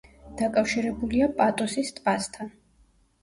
დაკავშირებულია პატუსის ტბასთან.